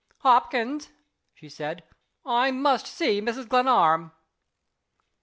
"Hopkins," she said, "I must see Mrs. Glenarm."